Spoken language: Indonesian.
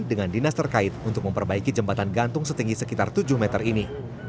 dengan dinas terkait untuk memperbaiki jembatan gantung setinggi sekitar tujuh meter ini